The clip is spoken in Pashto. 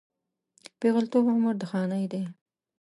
پېغلتوب عمر د خانۍ دی